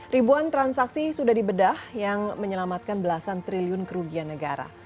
ribuan transaksi sudah dibedah yang menyelamatkan belasan triliun kerugian negara